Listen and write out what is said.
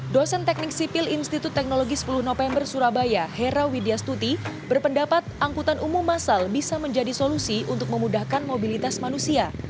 dosen teknik sipil institut teknologi sepuluh november surabaya hera widya stuti berpendapat angkutan umum masal bisa menjadi solusi untuk memudahkan mobilitas manusia